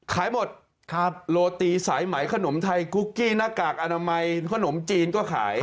ขายหมดโรตีสายไหมขนมไทยกุ๊กกี้หน้ากากอนามัยขนมจีนก็ขาย